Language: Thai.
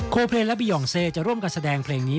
เพลงและบียองเซจะร่วมกันแสดงเพลงนี้